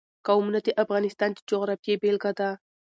قومونه د افغانستان د جغرافیې بېلګه ده.